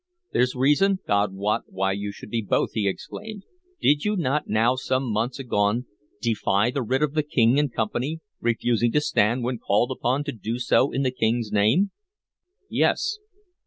"There 's reason, God wot, why you should be both!" he exclaimed. "Did you not, now some months agone, defy the writ of the King and Company, refusing to stand when called upon to do so in the King's name?" "Yes."